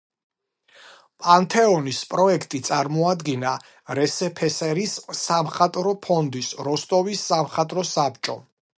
პანთეონის პროექტი წარმოადგინა რსფსრ-ის სამხატვრო ფონდის როსტოვის სამხატვრო საბჭომ.